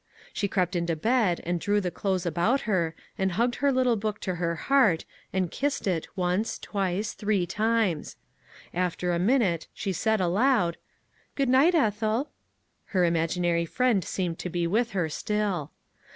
She crept into bed and drew the clothes about her, and hugged her little book to her heart, and kissed it once, twice, three times. After a minute she said aloud :" Good night, Ethel." Her imaginary friend seemed to be with her still.